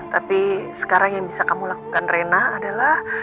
tapi sekarang yang bisa kamu lakukan rena adalah